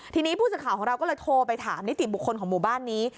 ทีนี้ผู้สื่อข่าวของเราก็เลยโทรไปถามนิติบุคคลของหมู่บ้านนี้